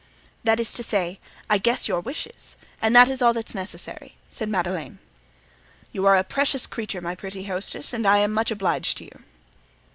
"That is to say, I guess your wishes, and that is all that's necessary," said Madeleine. "You are a precious creature, my pretty hostess, and I am much obliged to you."